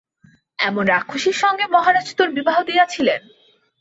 এমন রাক্ষসীর সঙ্গেও মহারাজ তাের বিবাহ দিয়াছিলেন!